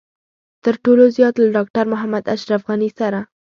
تر ټولو زيات له ډاکټر محمد اشرف غني سره.